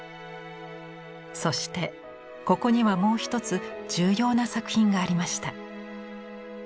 そしてここにはもう一つ重要な作品がありました。